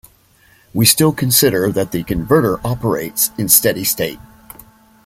We still consider that the converter operates in steady state.